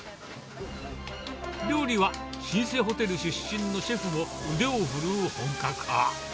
料理は、老舗ホテル出身のシェフが腕を振るう本格派。